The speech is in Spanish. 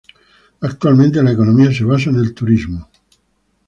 Actualmente la economía se basa en el turismo.